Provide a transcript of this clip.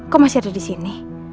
kok masih ada di sini